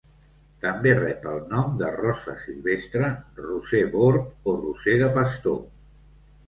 També rep el nom de rosa silvestre, roser bord o roser de pastor.